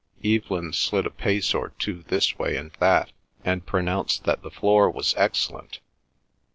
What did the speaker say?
Evelyn slid a pace or two this way and that, and pronounced that the floor was excellent.